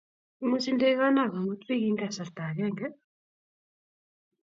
Imuchi ndegoni komut bik eng kasarta agenge